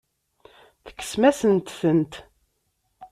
Tekksem-asent-tent.